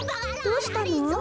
どうしたの？